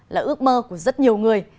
là ước mơ của rất nhiều người